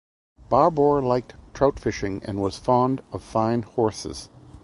Barbour liked trout fishing and was fond of fine horses.